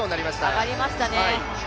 上がりましたね。